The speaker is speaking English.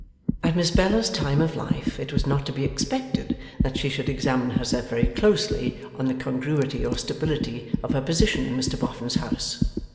At Miss Bella's time of life it was not to be expected that she should examine herself very closely on the congruity or stability of her position in Mr Boffin's house.